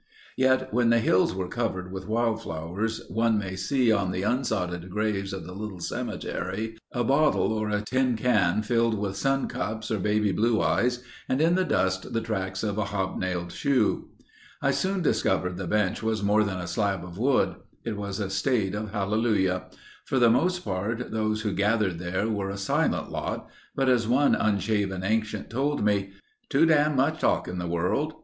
Yet, when the hills are covered with wild flowers one may see on the unsodded graves of the little cemetery a bottle or a tin can filled with sun cups or baby blue eyes and in the dust the tracks of a hobnailed shoe. I soon discovered the bench was more than a slab of wood. It was a state of Hallelujah. For the most part those who gathered there were a silent lot, but as one unshaven ancient told me, "Too damned much talk in the world.